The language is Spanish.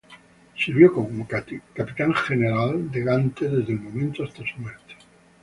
Sirvió como capitán general de Gante desde aquel momento hasta su muerte.